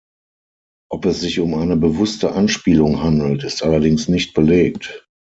Ob es sich um eine bewusste Anspielung handelt, ist allerdings nicht belegt.